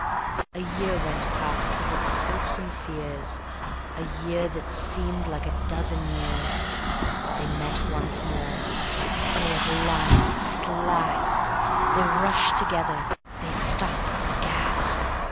A year went past with its hopes and fears, A year that seemed like a dozen years. They met once more. ... Oh, at last! At last! They rushed together, they stopped aghast.